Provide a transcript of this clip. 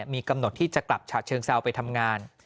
มีกำหนดที่จะกลับฉะเชิงเซาไปทำงาน